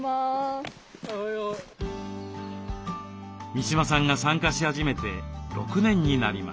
三嶋さんが参加し始めて６年になります。